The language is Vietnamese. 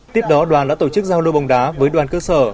tiếp đó đoàn đã tổ chức giao lưu bóng đá với đoàn cơ sở